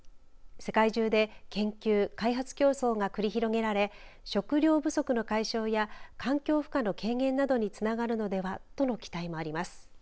世界中で研究・開発競争が繰り広げられ食料不足の解消や環境負荷の軽減などにつながるのではとの期待もあります。